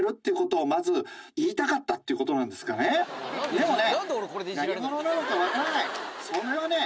でもね。